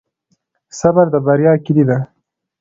صبر د بریا کیلي ده؟